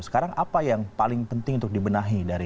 sekarang apa yang paling penting untuk dibenahi dari